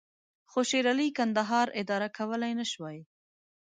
خو شېرعلي کندهار اداره کولای نه شوای.